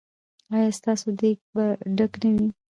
ایا ستاسو دیګ به ډک نه وي؟